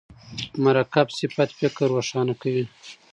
مرکب صفت فکر روښانه کوي.